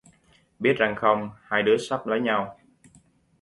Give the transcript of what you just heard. Biết răng không, hai đứa sắp lấy nhau